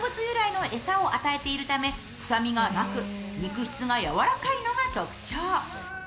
由来の餌を与えているため臭みがなく肉質がやわらかいのが特徴。